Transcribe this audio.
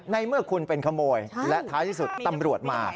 ในเมื่อคุณเป็นขโมยและท้ายที่สุดตำรวจมา